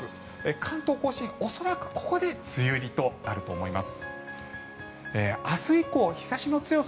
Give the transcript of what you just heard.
関東・甲信、恐らくここで梅雨入りとなると思います。